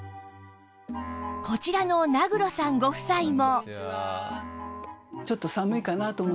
こちらの名黒さんご夫妻も